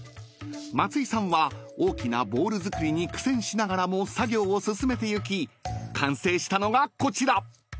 ［松井さんは大きなボウル作りに苦戦しながらも作業を進めてゆき完成したのがこちら］